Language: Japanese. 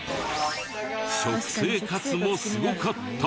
食生活もすごかった！